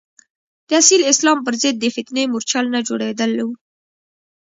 د اصیل اسلام پر ضد د فتنې مورچل نه جوړېدلو.